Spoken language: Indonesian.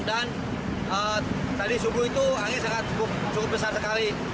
dan tadi subuh itu angin sangat besar sekali